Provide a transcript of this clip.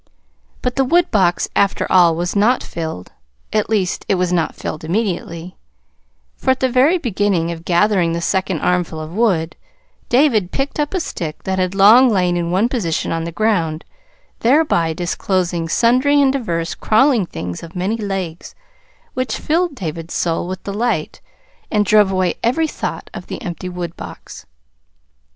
But the woodbox, after all, was not filled. At least, it was not filled immediately, for at the very beginning of gathering the second armful of wood, David picked up a stick that had long lain in one position on the ground, thereby disclosing sundry and diverse crawling things of many legs, which filled David's soul with delight, and drove away every thought of the empty woodbox.